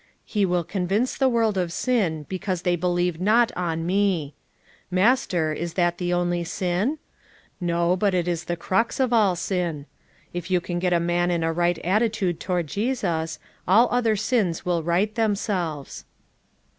'( Hc will convince the world of sin because they believe not on ME. 'Master, is that the only sin! 1 No, but it is the crux 408 FOUR MOTHERS AT CHAUTAUQUA of all sin. If you can get a man in a right at titude toward Jesus, all other sins will right themselves."